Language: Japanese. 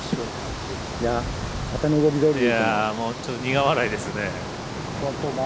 ちょっと苦笑いですね。